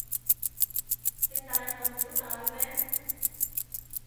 聖誕咁少假嘅咩？